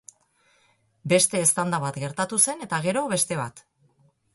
Beste eztanda bat gertatu zen, eta gero beste bat.